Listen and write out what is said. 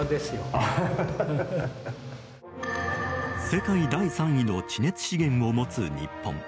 世界第３位の地熱資源を持つ日本。